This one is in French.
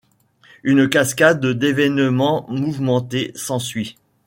Une cascade d'événements mouvementés s'ensuit.